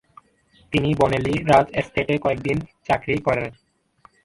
তিনি বনেলী রাজ-এস্টেটে কয়েকদিন চাকরি করেন।